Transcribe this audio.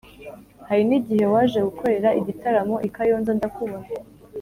hari n’igihe waje gukorera igitaramo i kayonza ndakubona